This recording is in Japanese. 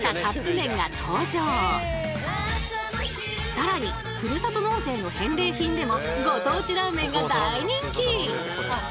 さらにふるさと納税の返礼品でもご当地ラーメンが大人気！